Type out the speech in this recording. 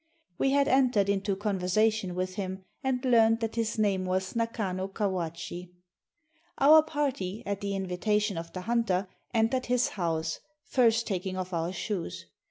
We had entered into conversation with him, and learned that his name was Nakano Kawachi. Our party, at the invitation of the hunter, entered his house, first taking off our shoes.